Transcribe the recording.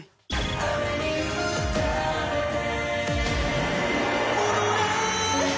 「雨に打たれて」